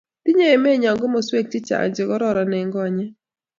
tinye emenyo komoswek che chang' che kororn eng' konyek